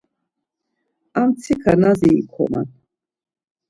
Amtsika nazi ikoman.